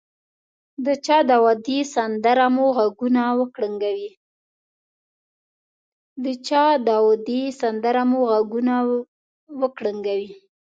د چا داودي سندره مو غوږونه وکړنګوي.